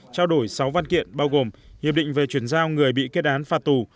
trao đổi sáu văn kiện bao gồm hiệp định về chuyển giao người bị kết án phạt tù